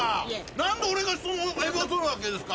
何で俺が人のエビを取るわけですか？